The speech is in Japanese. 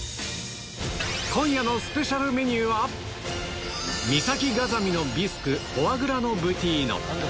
今夜のスペシャルメニューは、岬ガザミのビスク、フォアグラのブティーノ。